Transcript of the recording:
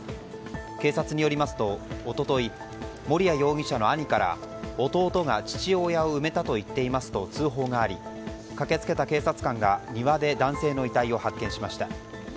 警察によりますと一昨日守屋容疑者の兄から弟が父親を埋めたと言っていますと通報があり、駆け付けた警察官が庭で男性の遺体を発見しました。